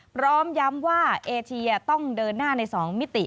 พร้อมย้ำว่าเอเชียต้องเดินหน้าใน๒มิติ